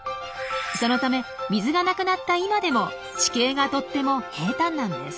そのため水がなくなった今でも地形がとっても平坦なんです。